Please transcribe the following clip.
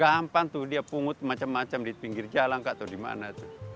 gampang tuh dia pungut macam macam di pinggir jalan atau di mana